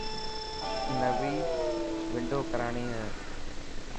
نوي ونڊو ڪراڻي هي.